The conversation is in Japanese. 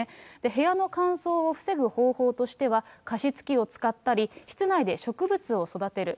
部屋の乾燥を防ぐ方法としては、加湿器を使ったり、室内で植物を育てる。